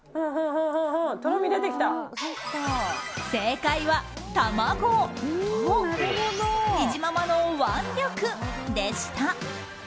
正解は卵とにじままの腕力でした。